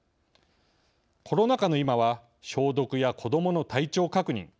コロナ禍の今は消毒や子どもの体調確認